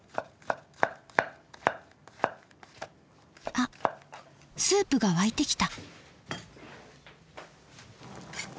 あっスープが沸いてきた。